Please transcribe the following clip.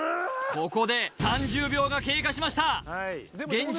ここで３０秒が経過しました現状